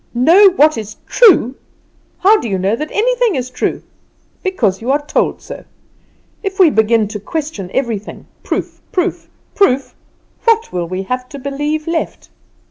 "Know that is true! How do you know that anything is true? Because you are told so. If we begin to question everything proof, proof, proof, what will we have to believe left?